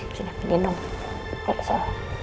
kita pindah dong